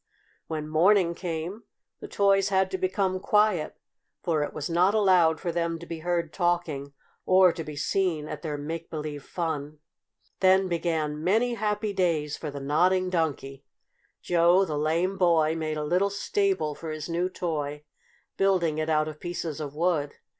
When morning came the toys had to become quiet, for it was not allowed for them to be heard talking or to be seen at their make believe fun. Then began many happy days for the Nodding Donkey. Joe, the lame boy, made a little stable for his new toy, building it out of pieces of wood.